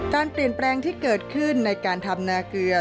การเปลี่ยนแปลงที่เกิดขึ้นในการทำนาเกลือ